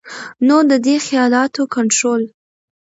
نو د دې خيالاتو کنټرول